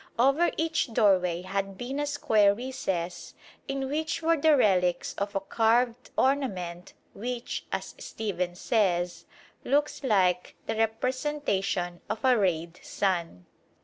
Over each doorway had been a square recess in which were the relics of a carved ornament which, as Stephens says, looks like the representation of a rayed sun.